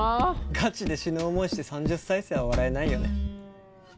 ガチで死ぬ思いして３０再生は笑えないよね。